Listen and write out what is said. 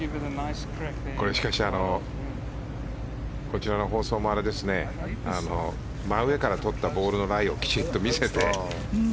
しかし、こちらの放送も真上から撮ったボールのライをきちんと見せて。